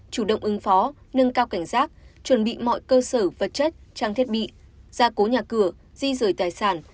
chủ động ứng phó nâng cao cảnh giác chuẩn bị mọi cơ sở vật chất trang thiết bị gia cố nhà cửa di rời tài sản